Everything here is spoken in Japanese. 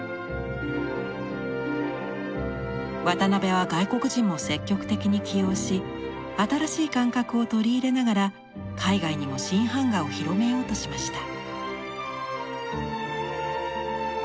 渡邊は外国人も積極的に起用し新しい感覚を取り入れながら海外にも新版画を広めようとしました。